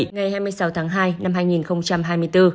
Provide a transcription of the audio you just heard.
ngày hai mươi sáu tháng hai năm hai nghìn hai mươi bốn